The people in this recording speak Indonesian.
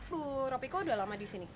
bu robiko sudah lama di sini